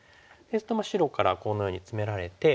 白からこのようにツメられて。